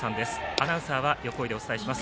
アナウンサーは横井でお伝えします。